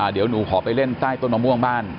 เดี๋ยวหนูขอไปเล่นใต้ต้นมะม่วงบ้าน